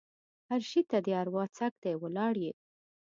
هر شي ته دې اروا څک دی؛ ولاړ يې.